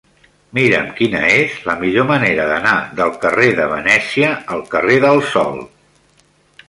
Mira'm quina és la millor manera d'anar del carrer de Venècia al carrer del Sol.